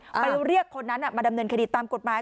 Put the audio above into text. ไปเรียกคนนั้นมาดำเนินคดีตามกฎหมาย